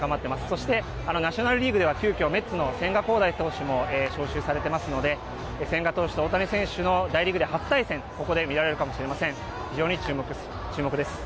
そしてナショナルリーグでは急きょ、メッツの千賀滉大投手も招集されてますので、千賀投手と大谷選手の大リーグでの初対戦、ここで見られるかもしれません。